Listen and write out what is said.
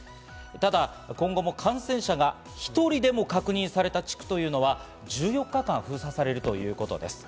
ただ、今後も感染者が１人でも確認された地区というのは１４日間封鎖されるということです。